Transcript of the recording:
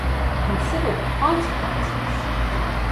Consider the Consequences!